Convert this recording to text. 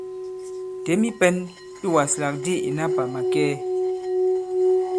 Těm i pɛ̄n i wàslàk di ìna pà màkɛɛ!